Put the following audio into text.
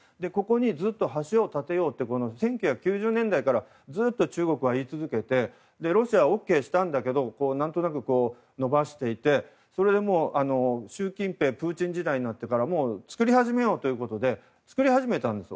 ずっと橋を建てようと１９９０年代から中国は言い続けてロシアはＯＫしたんだけどなんとなく延ばしていて習近平、プーチン時代になって造り始めようということで造り始めたんです。